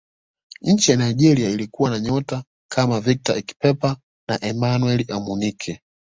nchi ya nigeria ilikuwa na nyota kama victor ikpeba na emmanuel amunike